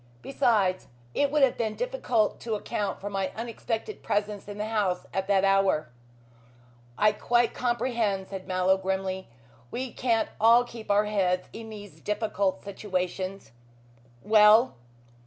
Besides, it would have been difficult to account for my unexpected presence in the house at that hour." "I quite comprehend!" said Mallow grimly. "We can't all keep our heads in these difficult situations. Well?"